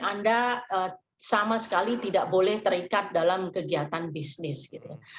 anda sama sekali tidak boleh terikat dalam kegiatan bisnis gitu ya